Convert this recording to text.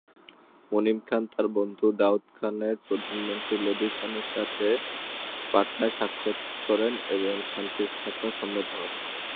মুনিম খান তার বন্ধু দাউদ খানের প্রধানমন্ত্রী লোদি খানের সাথে পাটনায় সাক্ষাত করেন এবং শান্তি স্থাপনে সম্মত হন।